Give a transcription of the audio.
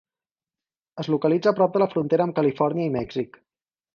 Es localitza prop de la frontera amb Califòrnia i Mèxic.